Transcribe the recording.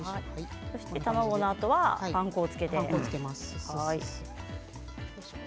卵のあとはパン粉をつけます。